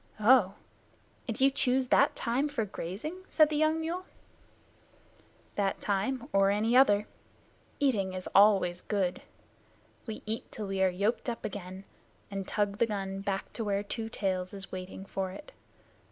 "Oh! And you choose that time for grazing?" said the young mule. "That time or any other. Eating is always good. We eat till we are yoked up again and tug the gun back to where Two Tails is waiting for it.